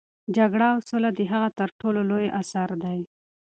جګړه او سوله د هغه تر ټولو لوی اثر دی.